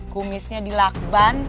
kumisnya di lakban